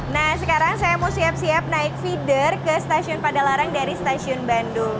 nah sekarang saya mau siap siap naik feeder ke stasiun padalarang dari stasiun bandung